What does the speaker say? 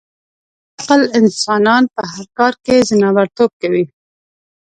بې عقل انسانان په هر کار کې ځناورتوب کوي.